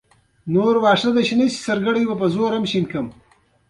د ستوني د بلغم لپاره د ادرک چای وڅښئ